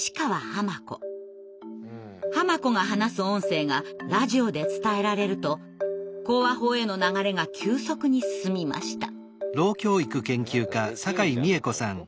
濱子が話す音声がラジオで伝えられると口話法への流れが急速に進みました。